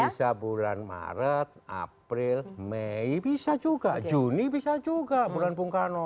bisa bulan maret april mei bisa juga juni bisa juga bulan bung karno